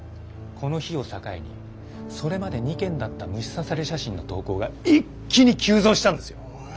この日を境にそれまで２件だった虫刺され写真の投稿が一気に急増したんですよ。